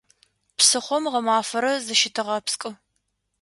Псыхъом гъэмафэрэ зыщытэгъэпскӏы.